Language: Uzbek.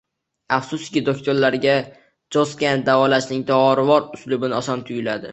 Afsuski, doktorlarga Djosgni davolashning dorivor uslubi oson tuyuladi.